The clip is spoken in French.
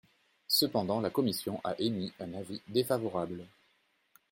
Cependant, la commission a émis un avis défavorable.